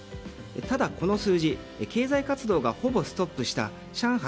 ただ、この数字経済活動がほぼストップした上海